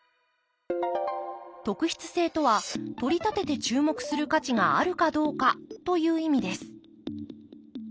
特筆性とはとりたてて注目する価値があるかどうかという意味です